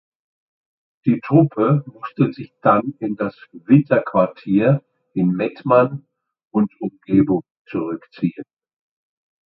Die Truppe musste sich dann in das Winterquartier in Mettmann und Umgebung zurückziehen.